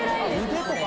腕とか。